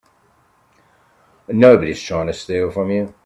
Nobody's trying to steal from you.